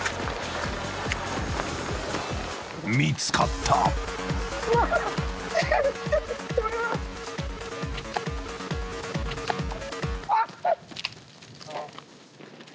［見つかった］ああ！？